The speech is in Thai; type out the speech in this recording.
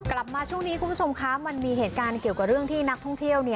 กลับมาช่วงนี้คุณผู้ชมคะมันมีเหตุการณ์เกี่ยวกับเรื่องที่นักท่องเที่ยว